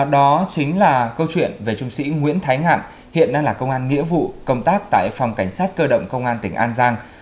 đó chính là câu chuyện về trung sĩ nguyễn thái ngạn hiện đang là công an nghĩa vụ công tác tại phòng cảnh sát cơ động công an tỉnh an giang